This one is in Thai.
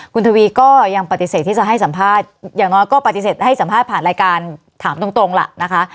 คุณทวีก็ยังปฏิเสธที่จะให้สัมภาษณ์อย่างน้อยก็ปฏิเสธให้สัมภาษณ์ผ่านรายการถามตรงล่ะนะคะ